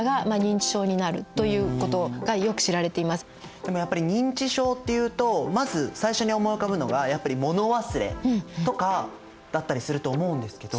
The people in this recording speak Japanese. でもやっぱり認知症っていうとまず最初に思い浮かぶのがやっぱり物忘れとかだったりすると思うんですけど。